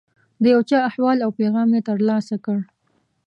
د یو چا احوال او پیغام یې ترلاسه کړ.